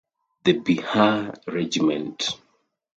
The Bihar Regiment.